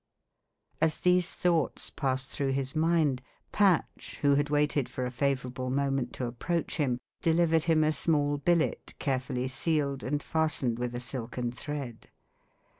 As these thoughts passed through his mind, Patch, who had waited for a favourable moment to approach him, delivered him a small billet carefully sealed, and fastened with a silken thread.